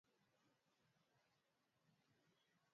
maslahi yao